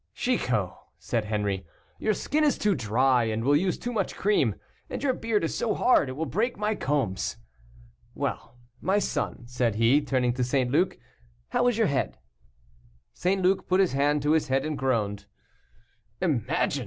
"Chicot," said Henri, "your skin is too dry, and will use too much cream, and your beard is so hard, it will break my combs. Well, my son," said he, turning to St. Luc, "how is your head?" St. Luc put his hand to his head and groaned. "Imagine!"